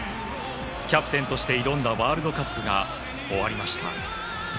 キャプテンとして挑んだワールドカップが終わりました。